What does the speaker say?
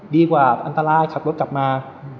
ดีกว่าอันตรายขับรถกลับมา